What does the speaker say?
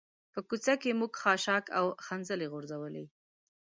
په کوڅه کې موږ خاشاک او خځلې غورځولي.